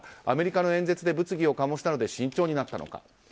アメリカの演説で物議を醸したので慎重になったのか。